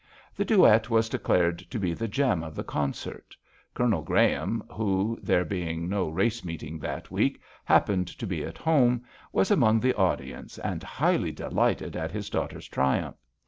The duet was declared to be the gem of the concert. Colonel Graham who, there being no race meeting that week, hap pened to be at home was amongst the audience, and highly delighted at his daughter's tri umph.